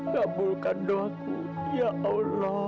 dapulkan doaku ya allah